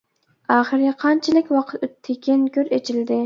ئاخىرى قانچىلىك ۋاقىت ئۆتتىكىن، گۆر ئىچىلدى.